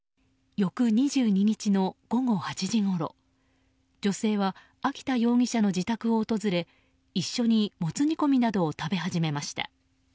翌２２日の午後８時ごろ女性は秋田容疑者の自宅を訪れ一緒にもつ煮込みなどを食べ始めました。